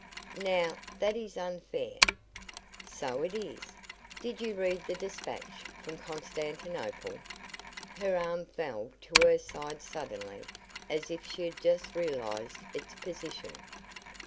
"Now, that is unfair." "So it is. Did you read the despatch from Constantinople?" Her arm fell to her side suddenly as if she had just realized its position.